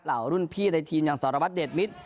เหล่ารุ่นพี่ในทีมยังสรบัสเดชมิต